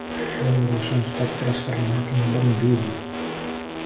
Loro sono stati trasformati in bambini.